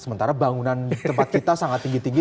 sementara bangunan tempat kita sangat tinggi tinggi